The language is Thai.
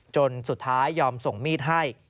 จนสุดท้ายยอมส่งมีดให้